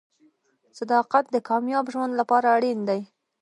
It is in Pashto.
• صداقت د کامیاب ژوند لپاره اړین دی.